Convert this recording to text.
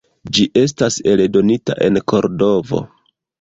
Ĝi estas eldonita en Kordovo.